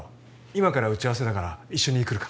今から打ち合わせだから一緒に来るか？